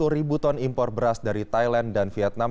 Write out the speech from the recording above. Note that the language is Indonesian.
dua ratus enam puluh satu ribu ton impor beras dari thailand dan vietnam